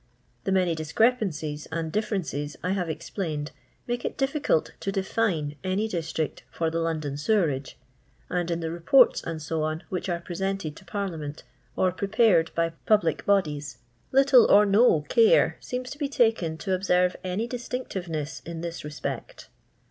The many discrepancies and differences I have explained make it difficult to defiM any district for the London sewerage ; and in the Reports, &c., which are presented to Parliament, or prepared by public bodies, little or no care seems to be taken to observe any distinctiveness in this respect.